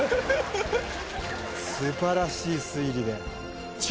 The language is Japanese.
素晴らしい推理で。